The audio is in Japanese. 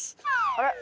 あれ？